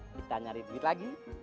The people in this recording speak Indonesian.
kita nyari duit lagi